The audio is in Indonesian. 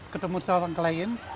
ketemu seorang klien